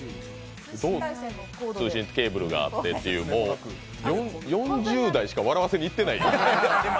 通信ケーブルがあってっていう、４０代しか笑わせにいってない。